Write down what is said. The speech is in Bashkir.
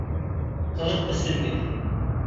Ҡыҙыҡ өсөн генә.